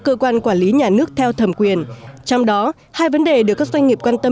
cơ quan quản lý nhà nước theo thẩm quyền trong đó hai vấn đề được các doanh nghiệp quan tâm